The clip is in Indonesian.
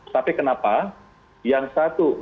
tapi kenapa yang satu